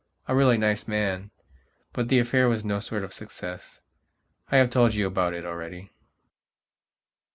A really nice man. But the affair was no sort of success. I have told you about it already...